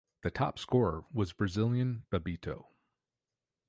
The top scorer was Brazilian Bebeto.